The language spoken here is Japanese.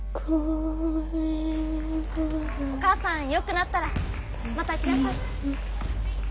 お母さん良くなったらまた来なさい。